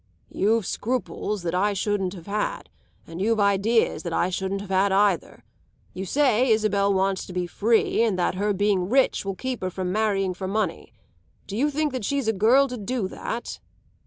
"You've scruples that I shouldn't have had, and you've ideas that I shouldn't have had either. You say Isabel wants to be free, and that her being rich will keep her from marrying for money. Do you think that she's a girl to do that?"